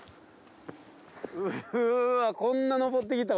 うわこんなのぼってきた？